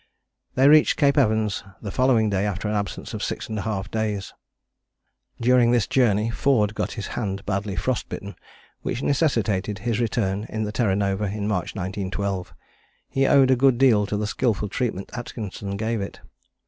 They reached Cape Evans the following day after an absence of 6½ days. During this journey Forde got his hand badly frost bitten which necessitated his return in the Terra Nova in March 1912. He owed a good deal to the skilful treatment Atkinson gave it.